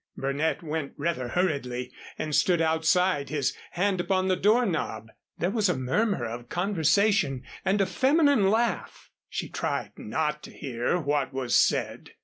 Burnett went rather hurriedly and stood outside, his hand upon the door knob. There was a murmur of conversation and a feminine laugh. She tried not to hear what was said.